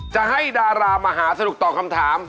จะให้ดารามหาสนุกตอบคำถาม